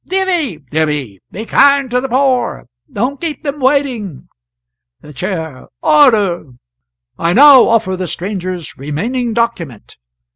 Divvy! divvy! Be kind to the poor don't keep them waiting!" The Chair. "Order! I now offer the stranger's remaining document.